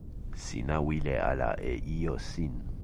sina wile ala e ijo sin.